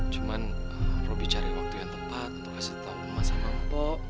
cuma robi cari waktu yang tepat untuk kasih tau emang sama pak